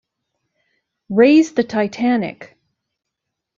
Raise the Titanic!